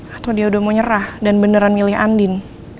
atau dia udah mau nyerah dan beneran milih andin